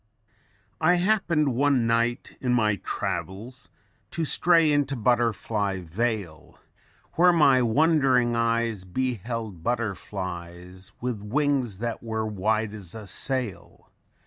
"_I happened one night in my travels To stray into Butterfly Vale, Where my wondering eyes beheld butterflies WITH WINGS THAT WERE WIDE AS A SAIL.